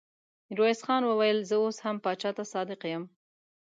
ميرويس خان وويل: زه اوس هم پاچا ته صادق يم.